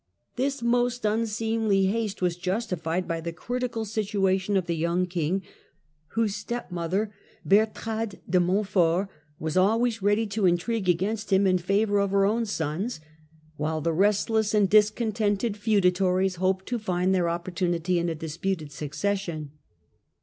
This almost unseemly haste was justified by the critical situation of the young king, whose stepmother Bertrade de Montfort was always ready to intrigue against him in favour of her own sons, while the restless and discontented feudatories hoped to find their opportunity in a disputed succession.